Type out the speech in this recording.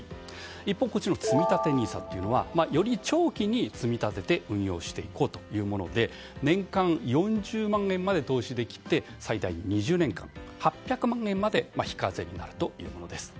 一方、つみたてＮＩＳＡはより長期に積み立てて運用していこうというもので年間４０万円まで投資できて最大２０年間８００万円まで非課税になるというものです。